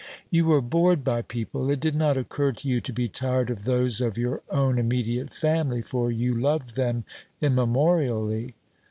You were bored by people. It did not occur to you to be tired of those of your own immediate family, for you loved them immemorially.